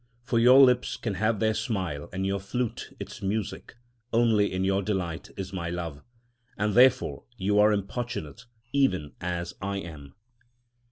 For your lips can have their smile, and your flute its music, only in your delight in my love; and therefore you are importunate, even as I am.